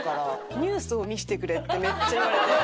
「ニュースを見せてくれ」ってめっちゃ言われて。